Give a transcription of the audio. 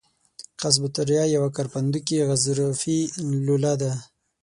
قصبة الریه یوه کرپندوکي غضروفي لوله ده.